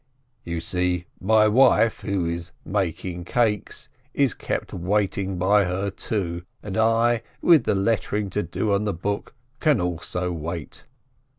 "You see, my wife, who is making cakes, is kept wait ing by her too, and I, with the lettering to do on the book, I also wait."